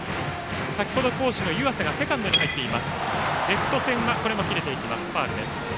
先程、好守の湯浅がセカンドに入っています。